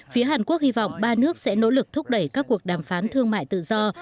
phía hàn quốc hy vọng ba nước sẽ nỗ lực thúc đẩy các cuộc đàm phán thương mại tự do